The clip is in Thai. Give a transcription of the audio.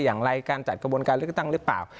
อย่างไรการจัดกระบวนการเลือกตั้งหรือเปล่า